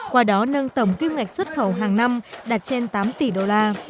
qua đó nâng tổng kim ngạch xuất khẩu hàng năm đạt trên tám tỷ đô la